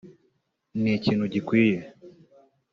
ni ikintu gikwiye